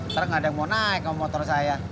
ntar gak ada yang mau naik sama motor saya